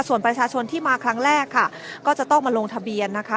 ส่วนประชาชนที่มาครั้งแรกค่ะก็จะต้องมาลงทะเบียนนะคะ